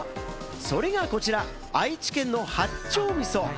それがこちら、愛知県の八丁味噌。